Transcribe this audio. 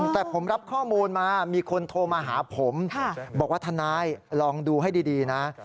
แต่ผมรับข้อมูลมามีคนโทรมาหาผมบอกว่าทนายลองดูให้ดีนะ